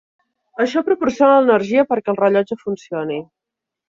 Això proporciona l'energia perquè el rellotge funcioni.